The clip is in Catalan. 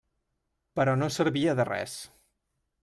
Però no servia de res.